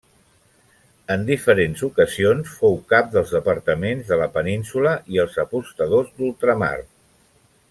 En diferents ocasions fou cap dels Departaments de la Península i els Apostadors d'Ultramar.